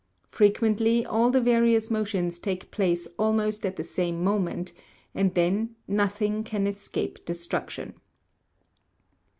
Frequently all the various motions take place almost at the same moment, and then nothing can escape destruction.